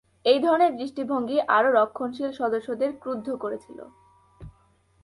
এই ধরনের দৃষ্টিভঙ্গি আরও রক্ষণশীল সদস্যদের ক্রুদ্ধ করেছিল।